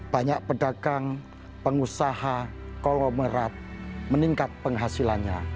banyak pedagang pengusaha kolomerat meningkat penghasilannya